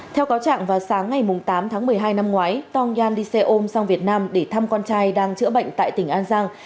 theo cáo trạng vào sáng ngày tám tháng một mươi hai năm ngoái tongyan đi xe ôm sang việt nam để thăm con trai đang chữa bệnh tại tỉnh an giang